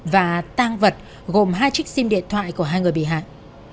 và tang vật gồm hai chiếc sim điện thoại của hai người bị hại